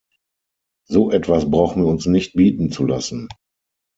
So etwas brauchen wir uns nicht bieten zu lassen.